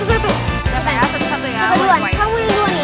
kamu yang duluan ya